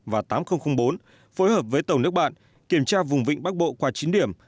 tám nghìn ba và tám nghìn bốn phối hợp với tàu nước bạn kiểm tra vùng vịnh bắc bộ qua chín điểm